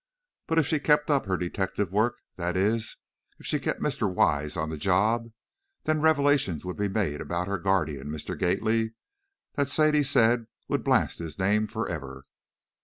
But if she kept up her detective work, that is, if she kept Mr. Wise on the job, then revelations would be made about her guardian, Mr. Gately, that Sadie said would blast his name forever.